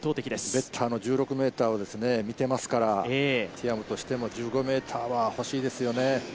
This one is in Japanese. ベッターの１６ｍを見ていますからティアムとしても１５ｍは欲しいですよね。